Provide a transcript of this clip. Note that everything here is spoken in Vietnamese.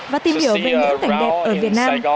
và tìm hiểu về những cảnh đẹp ở việt nam